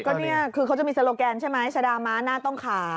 ก็นี่คือเขาจะมีโซโลแกนใช่ไหมชะดาม้าหน้าต้องขา